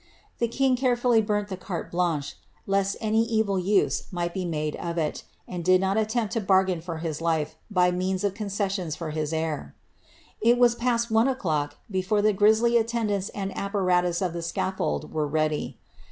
The king carefully burnt the carte blanche^ lest an evil use might be made of it, and did not attempt to bargain for his life, by means cn coo ccifsions from his heir.' It was past one oVlock before the grisly attendants and apparatus of the scatfold were ready.